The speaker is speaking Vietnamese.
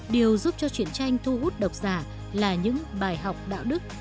điều giúp cho chuyện tranh thu hút độc giả là những bài học đạo đức